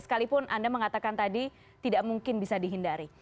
sekalipun anda mengatakan tadi tidak mungkin bisa dihindari